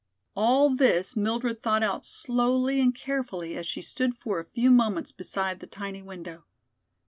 All this Mildred thought out slowly and carefully as she stood for a few moments beside the tiny window.